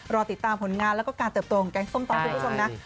รอติดตามผลงานแล้วก็การเติบโตของแกงส้มต้องคุณผู้ชมนะ